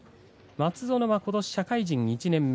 松園のはことし社会人１年目